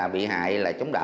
bị hại là chống đỡ